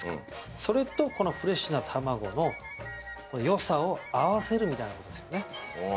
それとフレッシュな卵のよさを合わせるみたいな感じですよね。